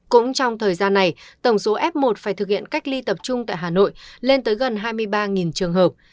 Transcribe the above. cũng trong thời gian này tổng số f một phải thực hiện cách ly tập trung tại hà nội lên tới gần hai mươi ba trường hợp